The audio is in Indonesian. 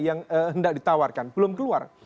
yang hendak ditawarkan belum keluar